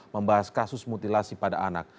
membahas kasus mutilasi pada anak